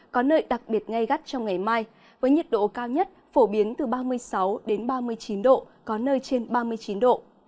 có nơi đặc biệt ngay gắt trong ngày mai với nhiệt độ cao nhất phổ biến từ ba mươi sáu đến ba mươi chín độ có nơi trên ba mươi chín độ